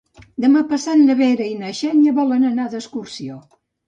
Demà passat na Vera i na Xènia volen anar d'excursió.